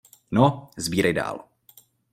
No, sbírej dál.